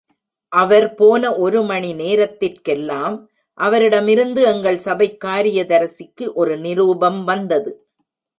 அவர் போன ஒரு மணி நேரத்திற்கெல்லாம் அவரிடமிருந்து எங்கள் சபைக் காரியதரிசிக்கு ஒரு நிரூபம் வந்தது.